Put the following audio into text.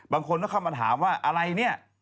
บางคนก็เข้ามาถามว่าอะไรเนี่ย